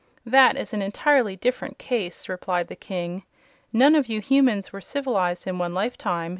"That is an entirely different case," replied the King. "None of you Humans were civilized in one lifetime.